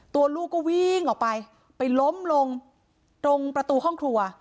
ลูกก็วิ่งออกไปไปล้มลงตรงประตูห้องครัว